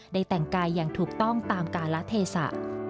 แต่งกายอย่างถูกต้องตามการละเทศะ